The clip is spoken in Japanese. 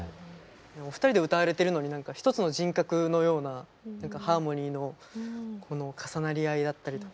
２人で歌われてるのになんか一つの人格のようななんかハーモニーのこの重なり合いだったりとか。